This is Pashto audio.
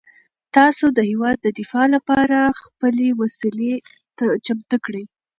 تاسو د هیواد د دفاع لپاره خپلې وسلې چمتو کړئ.